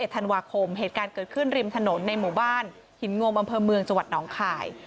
ธันวาคมเหตุการณ์เกิดขึ้นริมถนนในหมู่บ้านหินงมอำเภอเมืองจังหวัดหนองคาย